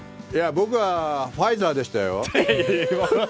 僕は、ファイザーでしたよ。